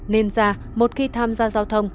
ninja một khi tham gia giao thông